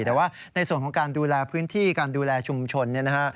แต่ว่าในส่วนของการดูแลพื้นที่การดูแลชุมชน